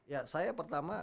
ya saya pertama